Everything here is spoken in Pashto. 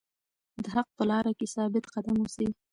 د حق په لاره کې ثابت قدم اوسئ.